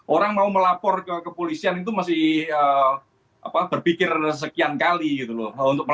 orang mau melapor ke kepolisian itu masih berpikir sekian kali gitu loh